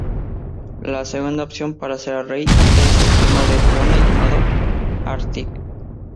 La segunda opción para ser el rey es el primo de Fiona llamado Artie.